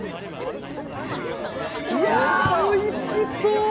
いやー、おいしそう！